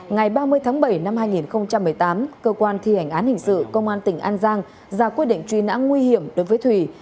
ngày ba mươi tháng bảy năm hai nghìn một mươi tám cơ quan thi hành án hình sự công an tỉnh an giang ra quyết định truy nã nguy hiểm đối với thủy